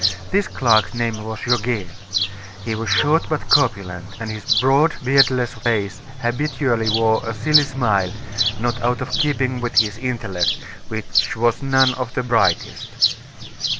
This clerk's name was Goguet. He was short but corpulent, and his broad, beardless face habitually wore a silly smile, not out of keeping with his intellect, which was none of the brightest.